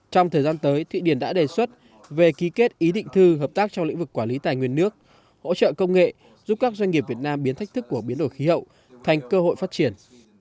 trong thời gian tới thụy điển đã đề xuất về ký kết ý định thư hợp tác trong lĩnh vực quản lý tài nguyên nước hỗ trợ công nghệ giúp các doanh nghiệp việt nam biến thách thức của biến đổi khí hậu thành cơ hội phát triển